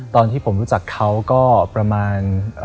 ตอนที่ผมรู้จักเขาก็ประมาณ